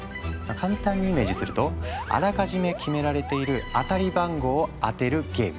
簡単にイメージするとあらかじめ決められている当たり番号を当てるゲーム。